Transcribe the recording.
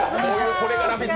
これが「ラヴィット！」